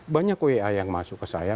banyak wa yang masuk ke saya